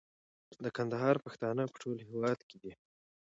د کندهار پښتانه په ټول هيواد کي دي